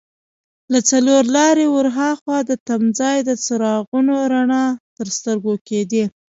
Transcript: له څلور لارې ور هاخوا د تمځای د څراغونو رڼاوې تر سترګو کېدې.